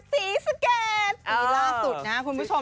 ซีล่างสุดนะคุณผู้ชม